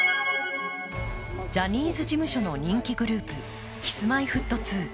ジャニーズ事務所の人気グループＫｉｓ−Ｍｙ−Ｆｔ２。